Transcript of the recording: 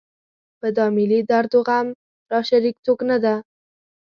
په دا ملي درد و غم راشریک څوک نه ده.